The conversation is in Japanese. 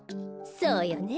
そうよね。